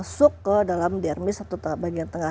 masuk ke dalam dermis atau bagian tengah